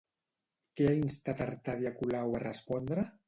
Què ha instat Artadi a Colau a respondre?